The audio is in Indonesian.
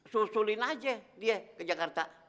susulin aja dia ke jakarta